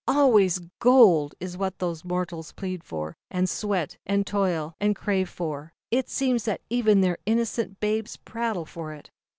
Always gold, is what these mortals plead for, and sweat, and toil, and crave for; it seems that even their innocent babes prattle of it.